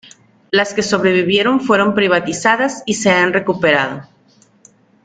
Las que sobrevivieron fueron privatizadas y se han recuperado.